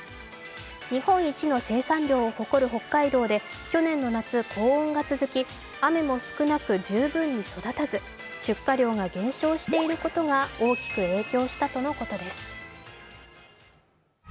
日本一の生産量を誇る北海道で去年の夏、高温が続き、雨も少なく十分に育たず出荷量が減少していることが大きく影響したとのことです。